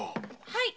はい。